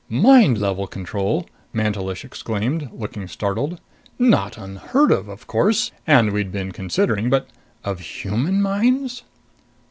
"Mind level control?" Mantelish exclaimed, looking startled. "Not unheard of, of course. And we'd been considering.... But of human minds?"